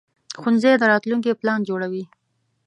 ښوونځی د راتلونکي پلان جوړوي